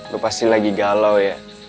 lu pasti lagi galau ya